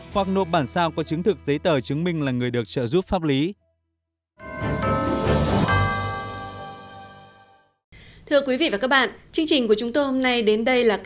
hoặc nộp bản sao có chứng thực giấy tờ chứng minh là người được trợ giúp pháp lý